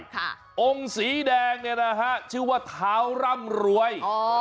น้องสีแดงชื่อว่าท้าวร่ำรวย